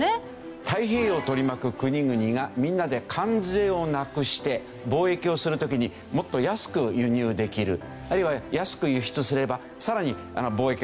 太平洋を取り巻く国々がみんなで関税をなくして貿易をする時にもっと安く輸入できる。あるいは安く輸出すればさらに貿易が活発になるだろう